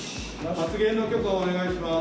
発言の許可をお願いします。